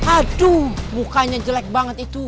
aduh mukanya jelek banget itu